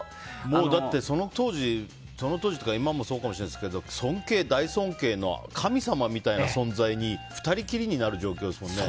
だって、その当時というか今もそうかもしれないですけど尊敬、大尊敬の神様みたいな存在に２人きりになる状況ですもんね。